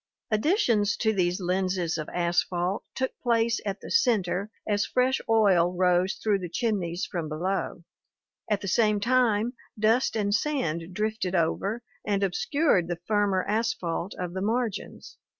Additions to these lenses of asphalt took place at the center as fresh oil rose through the chimneys from below; at the same time dust and sand drifted over and obscured the firmer asphalt of the margins.